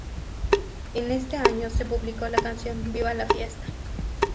En este año se publicó la canción "¡Viva la fiesta!